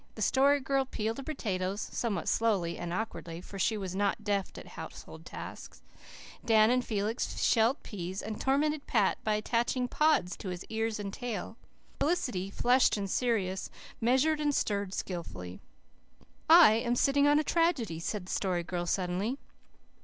The Story Girl peeled her potatoes, somewhat slowly and awkwardly for she was not deft at household tasks; Dan and Felix shelled peas and tormented Pat by attaching pods to his ears and tail; Felicity, flushed and serious, measured and stirred skilfully. "I am sitting on a tragedy," said the Story Girl suddenly.